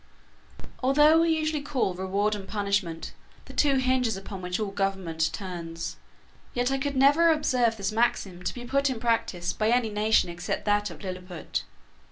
Although we usually call reward and punishment the two hinges upon which all government turns, yet I could never observe this maxim to be put in practice by any nation except that of Lilliput.